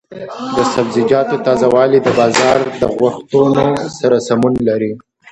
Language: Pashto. د سبزیجاتو تازه والي د بازار د غوښتنو سره سمون لري.